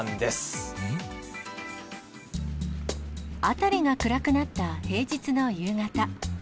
辺りが暗くなった平日の夕方。